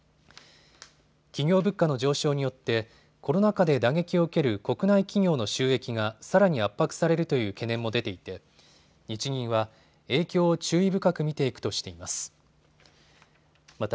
企業物価の上昇によってコロナ禍で打撃を受ける国内企業の収益がさらに圧迫されるという懸念も出ていて日銀は影響を注意深く見ていくとしています。